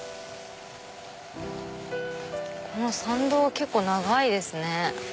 この参道結構長いですね。